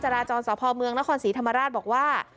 ราจรสพเมืองนครศรีธรรมราชบอกว่า